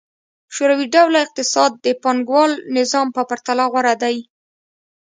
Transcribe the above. شوروي ډوله اقتصاد د پانګوال نظام په پرتله غوره دی.